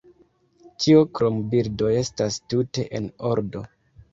Ĉio krom bildoj estas tute en ordo.